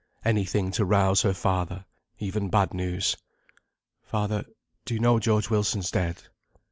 Any thing to rouse her father. Even bad news. "Father, do you know George Wilson's dead?"